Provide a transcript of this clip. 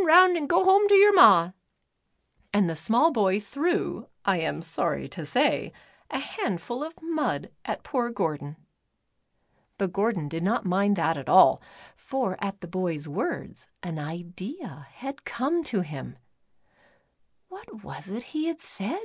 6i round an' go home ter yer ma," and the small boy threw, I am sorr}^ to say, a handful of mud at poor Gordon. But Gordon did not mind that at all, for at the bovs words, an idea had come to him. \\'hat was it he had said